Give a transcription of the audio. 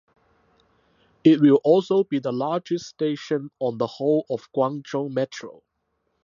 It will also be the largest station on the whole of Guangzhou Metro.